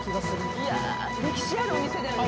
歴史あるお店だよね。